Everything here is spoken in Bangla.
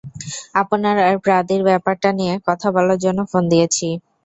আপনার আর পাদ্রীর ব্যাপারটা নিয়ে কথা বলার জন্য ফোন দিয়েছি!